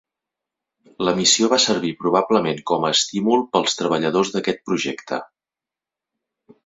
La missió va servir probablement com a estímul pels treballadors d'aquest projecte.